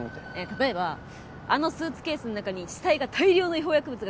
例えばあのスーツケースの中に死体か大量の違法薬物が詰め込まれてるとか。